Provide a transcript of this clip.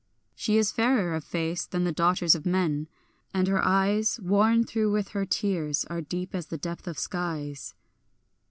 She is fairer of face than the daughters of men, and her eyes, Worn through with her tears, are deep as the depth of skies.